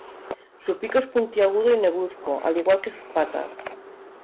Su pico es puntiagudo y negruzco, al igual que sus patas.